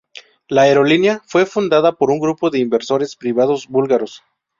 La aerolínea fue fundada por un grupo de inversores privados búlgaros.